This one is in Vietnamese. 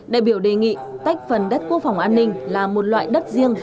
đại biểu đề nghị tách phần đất quốc phòng an ninh là một loại đất riêng